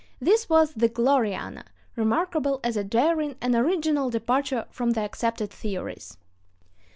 This was the Gloriana, "remarkable as a daring and original departure from the accepted theories."